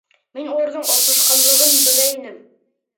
Мин уларҙың осрашҡанлығын белә инем.